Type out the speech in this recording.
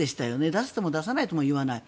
出すとも出さないとも言わない。